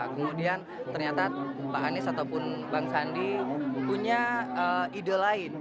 kemudian ternyata pak anies ataupun bang sandi punya ide lain